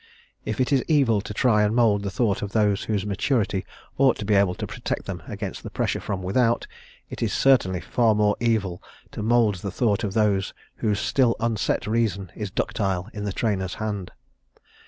If it is evil to try and mould the thought of those whose maturity ought to be able to protect them against pressure from without, it is certainly far more evil to mould the thought of those whose still unset reason is ductile in the trainer's hand.